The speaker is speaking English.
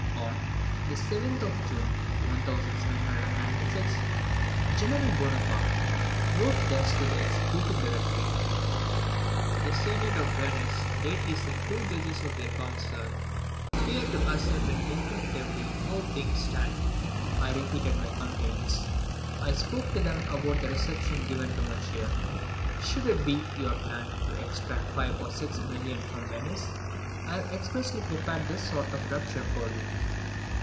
On, the 7th of June 1796 General Bonaparte wrote thus to the Executive Directory: The Senate of Venice lately sent two judges of their Council here to ascertain definitively how things stand. I repeated my complaints. I spoke to them about the reception given to Monsieur. Should it be your plan to extract five or six millions from Venice, I have expressly prepared this sort of rupture for you.